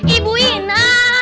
ibu ina ibu ina